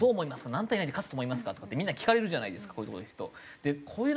「何対何で勝つと思いますか？」とかってみんなに聞かれるじゃないですかこういうところに行くと。